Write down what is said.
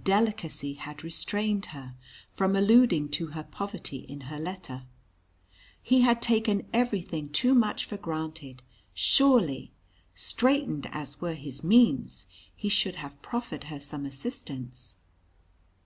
Delicacy had restrained her from alluding to her poverty in her letter. He had taken everything too much for granted surely, straitened as were his means, he should have proffered her some assistance.